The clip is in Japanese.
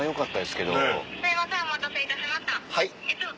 すいませんお待たせいたしました。